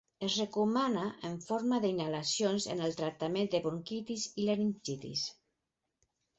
Es recomana en forma d'inhalacions en el tractament de bronquitis i laringitis.